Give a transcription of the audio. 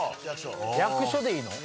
「役所」でいいの？